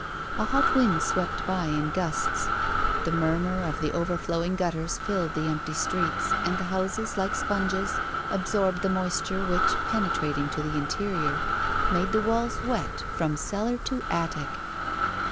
A hot wind swept by in gusts ; the murmur of the overflowing gutters filled the empty streets, and the houses, like sponges, absorbed the moisture which, penetrating to the interior, made the walls wet from cellar to attic.